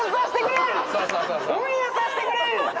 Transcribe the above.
オンエアさせてくれ！